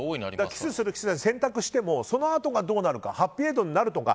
キスする、しない、選択してもそのあとがどうなるかハッピーエンドになるのか。